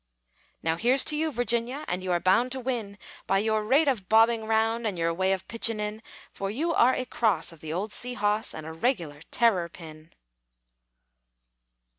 Now, here's to you, Virginia, And you are bound to win! By your rate of bobbing round And your way of pitchin' in For you are a cross Of the old sea hoss And a regular terror pin.